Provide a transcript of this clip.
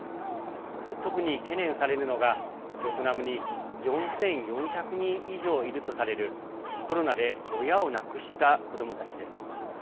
特に懸念されるのが、ベトナムに４４００人以上いるとされるコロナで親を亡くした子どもたちです。